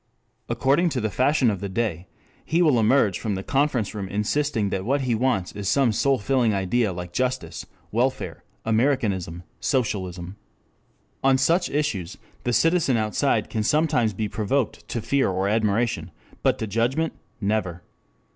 According to the fashion of the day, he will emerge from the conference room insisting that what he wants is some soulfilling idea like Justice, Welfare, Americanism, Socialism. On such issues the citizen outside can sometimes be provoked to fear or admiration, but to judgment never.